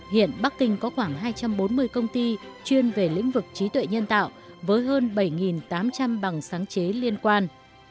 hiện bắc kinh có khoảng hai trăm bốn mươi công ty chuyên về lĩnh vực trí tuệ nhân tạo với hơn bảy tám trăm linh bằng sáng chế liên quan